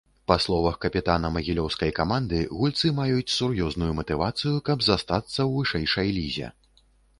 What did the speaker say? Па словах капітана магілёўскай каманды, гульцы маюць сур'ёзную матывацыю, каб застацца ў вышэйшай лізе.